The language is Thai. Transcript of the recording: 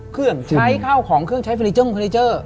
เครื่องใช้ข้าวของเครื่องใช้เฟอร์นิเจอร์